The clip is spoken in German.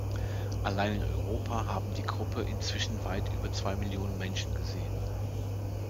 Allein in Europa haben die Gruppe inzwischen weit über zwei Millionen Menschen gesehen.